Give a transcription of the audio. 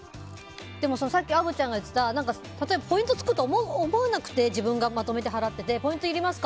さっき虻ちゃんが言っていたポイントつくと思わなくて自分がまとめて払っててポイントいりますか？